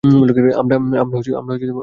আমরা সিম্বাকে চাই!